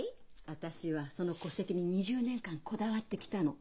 私はその戸籍に２０年間こだわってきたの。